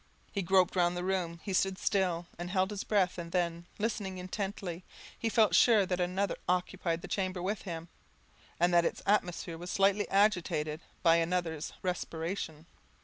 He groped round the room: he stood still, and held his breath; and then, listening intently, he felt sure that another occupied the chamber with him, and that its atmosphere was slightly agitated by an other's respiration.